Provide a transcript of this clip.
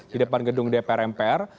di depan gedung dpr mpr